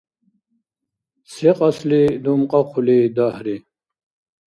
Се кьасли думкьахъули дагьри?